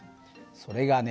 それがね